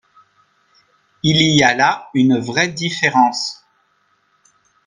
Il y a là une vraie différence.